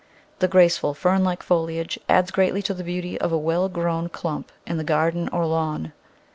The graceful, fern like foliage adds greatly to the beauty of a well grown clump in the garden or lawn.